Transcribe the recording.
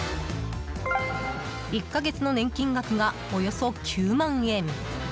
１か月の年金額が、およそ９万円。